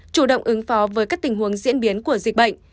chủ động ứng phó với các tình huống diễn biến của dịch bệnh